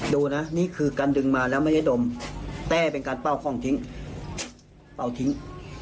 ดูนะนี่คือการดึงมาแล้วไม่ได้ดมแต่เป็นการเป้าคล่องทิ้งเป้าทิ้ง